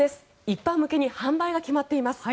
一般向けに販売が決まっています。